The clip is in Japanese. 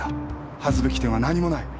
恥ずべき点は何もない。